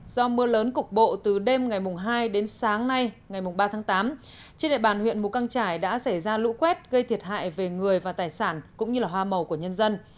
do mưa lớn cục bộ từ đêm ngày hai đến sáng nay ngày ba tháng tám trên địa bàn huyện mù căng trải đã xảy ra lũ quét gây thiệt hại về người và tài sản cũng như hoa màu của nhân dân